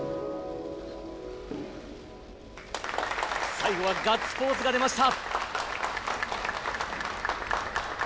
最後はガッツポーズが出ました！